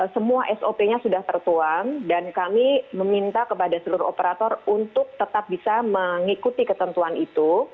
semua sop nya sudah tertuang dan kami meminta kepada seluruh operator untuk tetap bisa mengikuti ketentuan itu